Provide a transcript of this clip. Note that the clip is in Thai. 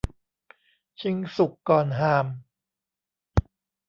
ชิงสุกก่อนห่าม